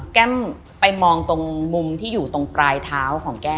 แก้มไปมองตรงมุมที่อยู่ตรงปลายเท้าของแก้ม